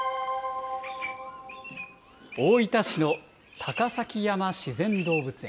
大分市の高崎山自然動物園。